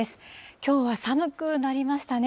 きょうは寒くなりましたね。